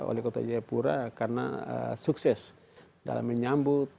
oleh kota jayapura karena sukses dalam menyambut